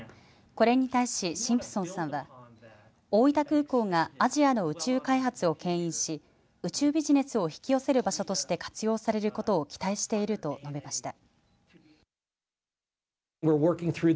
これに対しシンプソンさんは大分空港がアジアの宇宙開発をけん引し宇宙ビジネスを引き寄せる場所として活用されることを期待していると述べました。